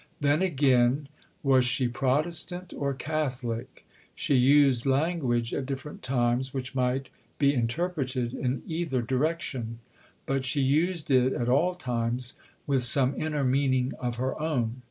Then, again, was she "Protestant" or "Catholic"? She used language at different times which might be interpreted in either direction; but she used it at all times with some inner meaning of her own.